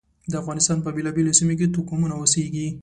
د افغانستان په بېلابېلو سیمو کې توکمونه اوسېږي.